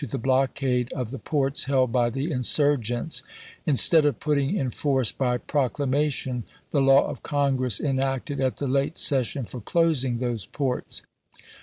the blockade of the ports held by the insurgents, instead of putting in force, by proclamation, the law of Congress enacted at the late session for closing those ports.